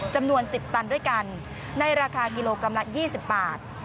จำนวน๑๐ตันด้วยกันในราคากิโลกรัมละ๒๐บาท